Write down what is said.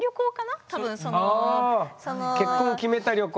結婚を決めた旅行。